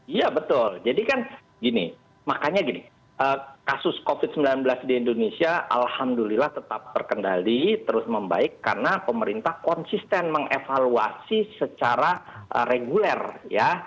iya betul jadi kan gini makanya gini kasus covid sembilan belas di indonesia alhamdulillah tetap terkendali terus membaik karena pemerintah konsisten mengevaluasi secara reguler ya